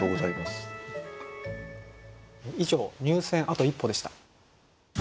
以上「入選あと一歩」でした。